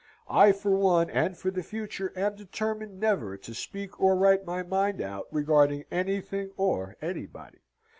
I for one, and for the future, am determined never to speak or write my mind out regarding anything or anybody.